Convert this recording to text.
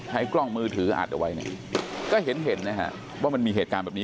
กล้องมือถืออัดเอาไว้เนี่ยก็เห็นนะฮะว่ามันมีเหตุการณ์แบบนี้